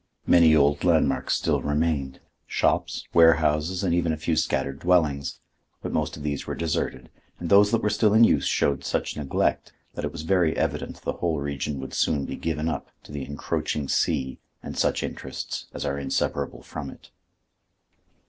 Many old landmarks still remained—shops, warehouses and even a few scattered dwellings. But most of these were deserted, and those that were still in use showed such neglect that it was very evident the whole region would soon be given up to the encroaching sea and such interests as are inseparable from it.